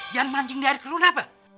jangan mancing di air keluar pak